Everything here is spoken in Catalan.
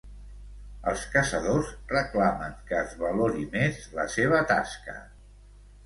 Els caçadors reclamen que es valori més la seva tasca.